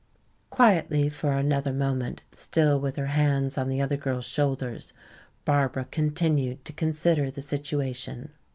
Quietly for another moment, still with her hands on the older girl's shoulders, Barbara continued to consider the situation.